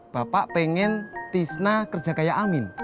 bapak pengen tisna kerja kayak amin